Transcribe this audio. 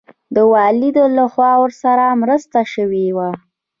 د والي لخوا ورسره مرسته شوې وه.